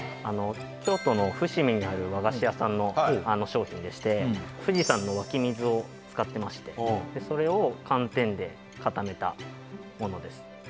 京都の伏見にある和菓子屋さんの商品でして富士山の湧き水を使ってましてそれを寒天で固めたものです